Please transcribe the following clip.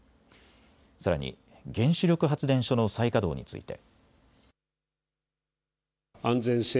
さらに原子力発電所の再稼働について。